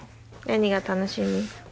何が楽しみ？